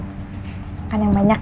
makan yang banyak ya